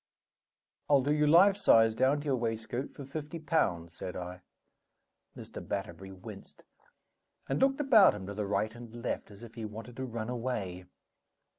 "I'll do you, life size, down to your waistcoat, for fifty pounds," said I. Mr. Batterbury winced, and looked about him to the right and left, as if he wanted to run away.